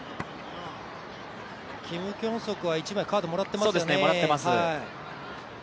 キム・キョンソクは１枚カードをもらっていますよね。